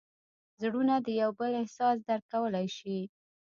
زړونه د یو بل احساس درک کولی شي.